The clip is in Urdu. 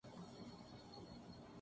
دوکانداری کرتا ہوں۔